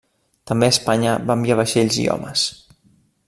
També Espanya va enviar vaixells i homes.